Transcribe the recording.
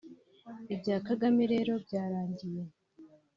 Ibya Kagame rero byarangiye